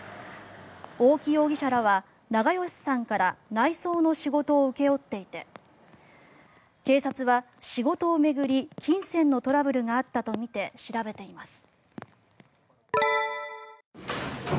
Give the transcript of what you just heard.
大木容疑者らは長葭さんから内装の仕事を請け負っていて警察は仕事を巡り金銭のトラブルがあったとみて調べています。